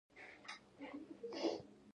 بار دروند موټر ته زیان رسوي.